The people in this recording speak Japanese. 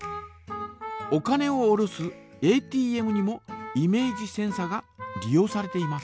お金を下ろすＡＴＭにもイメージセンサが利用されています。